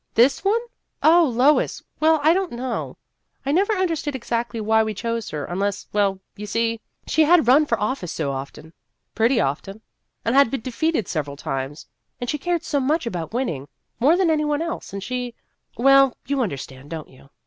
"This one? Oh, Lois. Well, I don't know. I never understood exactly why we chose her, unless well, you see, she had run for office so often pretty often and had been defeated several times, and she cared so much about winning more than any one else, and she well, you un derstand, don't you